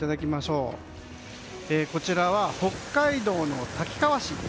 こちらは北海道の滝川市。